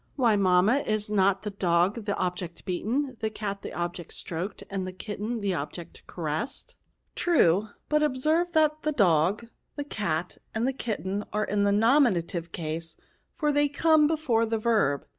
'* Why, mamma, is not the dog the object beaten, the cat the object stroked, and the kitten the object caressed? "True; but observe that the dog, the cat, and the kitten, are in the nominative case, for they come before the verb.